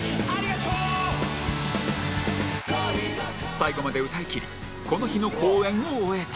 最後まで歌いきりこの日の公演を終えた